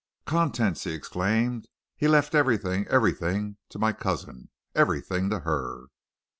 "Contents!" he exclaimed. "He left everything everything! to my cousin! Everything to her."